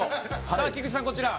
さあキクチさんこちら。